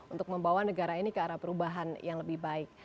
untuk membawa negara ini ke arah perubahan yang lebih baik